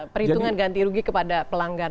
perhitungan ganti rugi kepada pelanggan